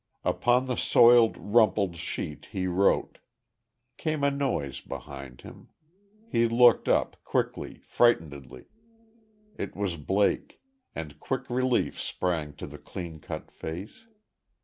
Upon the soiled, rumpled sheet he wrote.... Came a noise behind him. He looked up, quickly, frightenedly.... It was Blake; and quick relief sprang to the clean cut face.